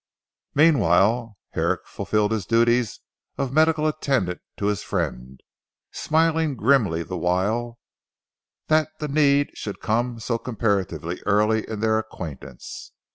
Meanwhile, Herrick fulfilled his duties of medical attendant to his friend, smiling grimly the while, that the need should come so comparatively early in their acquaintance.